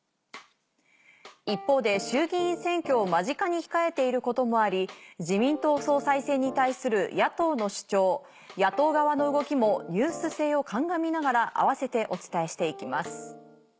「一方で衆議院選挙を間近に控えていることもあり自民党総裁選に対する野党の主張野党側の動きもニュース性を鑑みながら併せてお伝えして行きます」。